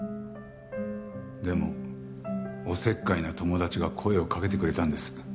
でもおせっかいな友達が声をかけてくれたんです。